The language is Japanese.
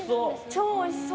超おいしそう。